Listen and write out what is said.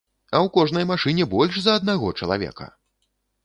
А ў кожнай машыне больш за аднаго чалавека!